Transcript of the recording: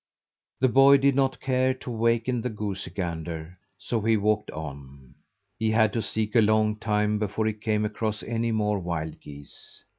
The boy did not care to waken the goosey gander, so he walked on. He had to seek a long time before he came across any more wild geese.